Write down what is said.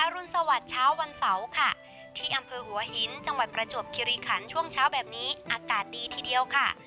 รุนสวัสดิ์เช้าวันเสาร์ค่ะที่อำเภอหัวหินจังหวัดประจวบคิริขันช่วงเช้าแบบนี้อากาศดีทีเดียวค่ะ